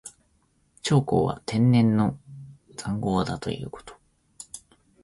長江は天然の塹壕だということ。